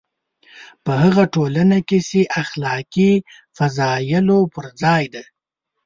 په هغه ټولنه کې چې اخلاقي فضایلو پر ځای ده.